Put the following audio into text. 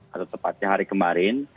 atau tepatnya hari kemarin